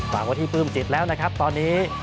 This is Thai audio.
ฟังไว้ที่ปลื้มจิตแล้วนะครับตอนนี้